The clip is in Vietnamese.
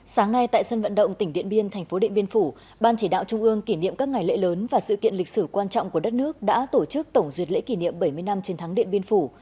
sáng nay tại sân vận động tỉnh điện biên thành phố điện biên phủ ban chỉ đạo trung ương kỷ niệm các ngày lễ lớn và sự kiện lịch sử quan trọng của đất nước đã tổ chức tổng duyệt lễ kỷ niệm bảy mươi năm chiến thắng điện biên phủ